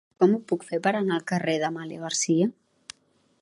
Com ho puc fer per anar al carrer d'Amàlia Garcia?